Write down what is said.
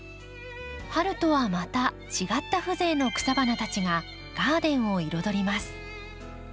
春とはまた違った風情の草花たちがガーデンを彩ります。